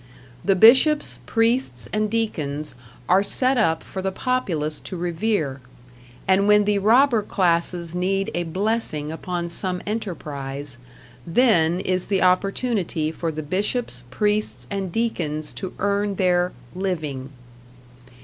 The bishops, priests, and deacons are set up for the populace to revere, and when the robber classes need a blessing upon some enterprise, then is the opportunity for the bishops, priests and deacons to earn their "living."